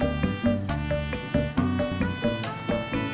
iya bentar des